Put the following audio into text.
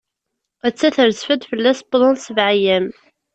Atta terzef-d, fell-as wwḍen sebɛ-yyam.